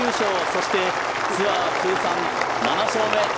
そして、ツアー通算７勝目。